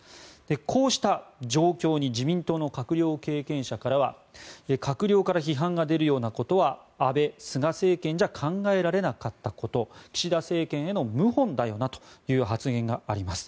こうした状況に自民党の閣僚経験者からは閣僚から批判が出るようなことは安倍・菅政権じゃ考えられなかったこと岸田政権への謀反だよなという発言があります。